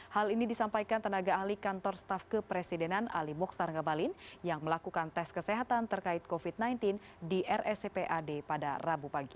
hal ini disampaikan tenaga ahli kantor staff kepresidenan ali mokhtar ngabalin yang melakukan tes kesehatan terkait covid sembilan belas di rscpad pada rabu pagi